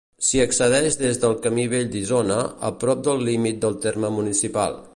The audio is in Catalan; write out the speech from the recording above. S'hi accedeix des del Camí Vell d'Isona, a prop del límit del terme municipal.